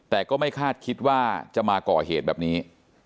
แต่ก็ไม่คาดคิดว่าจะมาก่อเหตุแบบนี้